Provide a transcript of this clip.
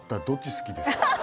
どっち好きですか？